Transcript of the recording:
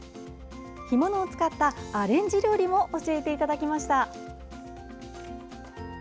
干物を使ったアレンジ料理も教えていただきました。